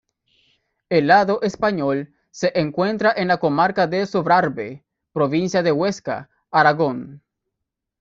El lado español, se encuentra en la comarca de Sobrarbe, Provincia de Huesca, Aragón.